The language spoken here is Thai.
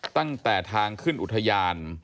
ตั้งแต่ทางขึ้นอุทยาน